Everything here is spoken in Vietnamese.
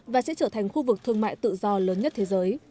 và sẽ trở thành khu vực thương mại tự do lớn nhất thế giới